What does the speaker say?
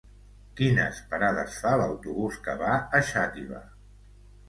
Quines parades fa l'autobús que va a Xàtiva?